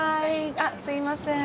あっすいません。